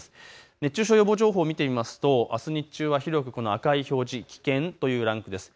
熱中症予防情報を見てみますとあす日中は広く赤い表示、危険というランクです。